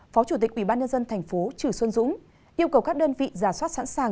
phó chủ tịch ubnd tp trừ xuân dũng yêu cầu các đơn vị giả soát sẵn sàng